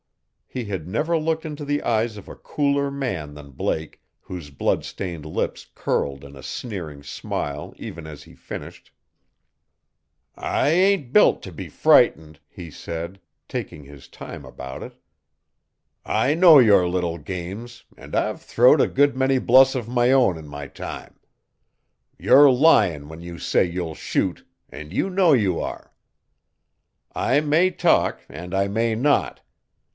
He had never looked into the eyes of a cooler man than Blake, whose blood stained lips curled in a sneering smile even as he finished. "I ain't built to be frightened," he said, taking his time about it. "I know your little games an' I've throwed a good many bluffs of my own in my time. You're lyin' when you say you'll shoot, an' you know you are. I may talk and I may not.